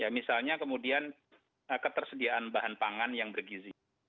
misalnya kemudian ketersediaan bahan pangan yang bergizi